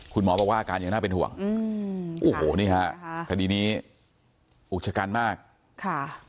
คุณหมอบอกว่าอาการยังน่าเป็นห่วงอืมโอ้โหนี่ฮะคดีนี้อุกชะกันมากค่ะ